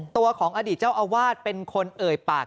ตัวของอดีตเจ้าอาวาสเป็นคนเอ่ยปาก